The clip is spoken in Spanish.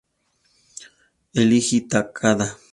Eiji Takada